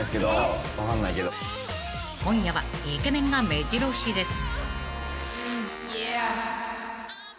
［今夜はイケメンがめじろ押しです］